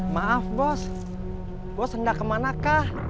maaf bos bos enggak kemana kah